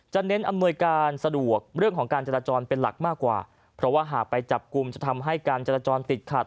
เน้นอำนวยการสะดวกเรื่องของการจราจรเป็นหลักมากกว่าเพราะว่าหากไปจับกลุ่มจะทำให้การจราจรติดขัด